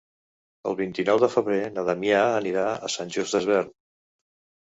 El vint-i-nou de febrer na Damià anirà a Sant Just Desvern.